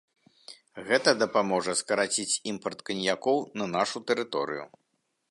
Гэта дапаможа скараціць імпарт каньякоў на нашу тэрыторыю.